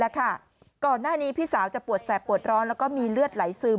แล้วค่ะก่อนหน้านี้พี่สาวจะปวดแสบปวดร้อนแล้วก็มีเลือดไหลซึม